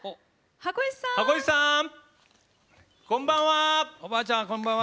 こんばんは！